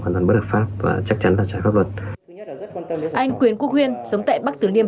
hoàn toàn bất hợp pháp và chắc chắn là trả pháp luật anh quyền quốc huyên sống tại bắc tứ liêm